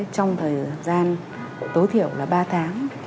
trong thời gian tối thiểu là ba tháng